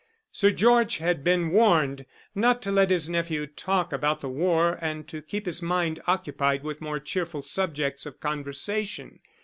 Sir George had been warned not to let his nephew talk about the war and to keep his mind occupied with more cheerful subjects of conversation.